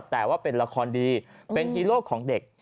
แต่ว่าเป็นละครดีเป็นฮีโร่ของเด็ก